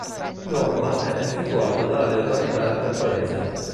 Di norma, è effettuato dalle autorità del Paese.